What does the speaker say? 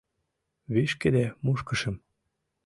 Вишкыде мушкышым